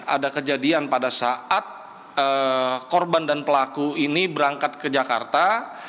ada kejadian pada saat korban dan pelaku ini berangkat ke jakarta